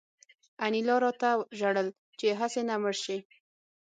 انیلا راته ژړل چې هسې نه مړ شې